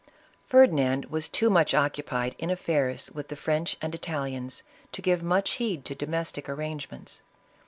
Ferdinand was too much occupied in affairs with the French and Italians, to give much heed to domestic arrangements.